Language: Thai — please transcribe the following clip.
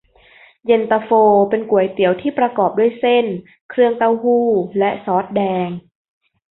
เย็นตาโฟเป็นก๋วยเตี๋ยวที่ประกอบด้วยเส้น เครื่องเต้าหู้ และซอสแดง